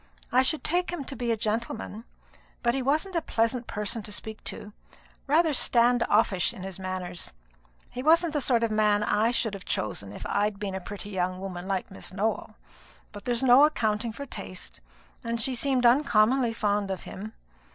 I should take him to be a gentleman; but he wasn't a pleasant person to speak to rather stand off ish in his manners. He wasn't the sort of man I should have chosen if I'd been a pretty young woman like Miss Nowell; but there's no accounting for taste, and she seemed uncommonly fond of him.